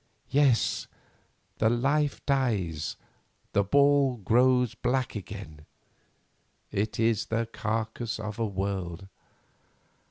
Yes, the life dies, the ball grows black again; it is the carcase of a world.